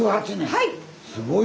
はい！